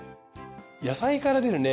野菜から出るね